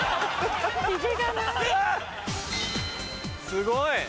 すごい！